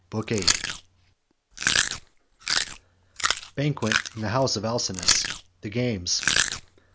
BOOK VIII BANQUET IN THE HOUSE OF ALCINOUS—THE GAMES.